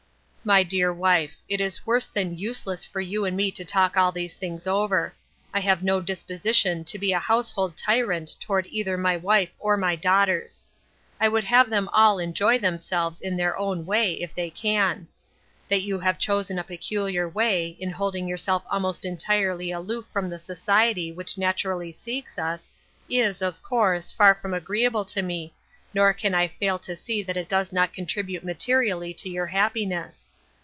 " My dear wife, it is worse than useless for you and me to talk all these things over ; I have no disposition to be a household tyrant toward either my wife or my daughters. I would have them all enjoy themselves in their own way, if they can. That you have chosen a peculiar way, in holding yourself almost entirely aloof from the society which naturally seeks us, is, of course, far from agreeable to me, nor can I fail to see that it does not contribute materially to your happiness.